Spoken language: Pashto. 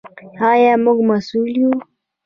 آیا موږ مسوول یو؟